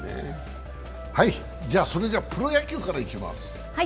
それでは、プロ野球からいきます。